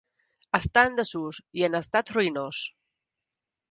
Està en desús i en estat ruïnós.